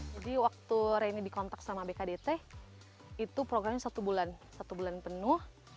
jadi waktu reni dikontak sama bkdt itu programnya satu bulan satu bulan penuh